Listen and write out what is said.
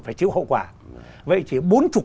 phải chịu hậu quả vậy chỉ bốn chục